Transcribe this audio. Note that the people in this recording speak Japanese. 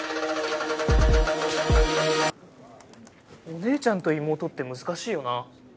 お姉ちゃんと妹って難しいよな。